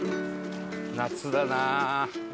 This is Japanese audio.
夏だな。